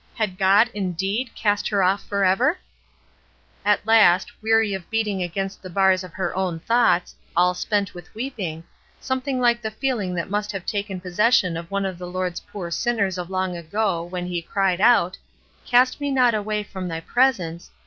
Had God, indeed, cast her off forever ? At last, weary of beating against the bars of her own thoughts, aU spent with weeping, something like the feeling that must have taken possession of one of the Lord's poor sinners of long ago when he cried out, "Cast me not away from thy presence